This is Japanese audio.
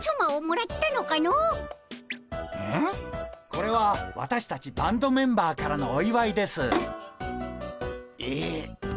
これは私たちバンドメンバーからのおいわいです。え。